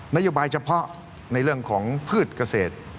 นโยบายเฉพาะในเรื่องของพืชเกษตร